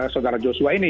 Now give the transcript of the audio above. saudara joshua ini